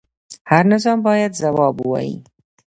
هر نظام باید ځواب ووایي